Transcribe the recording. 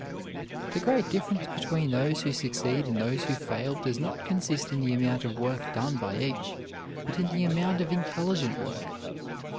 The great difference between those who succeed and those who fail does not consist in the amount of work done by each, but in the amount of intelligent work.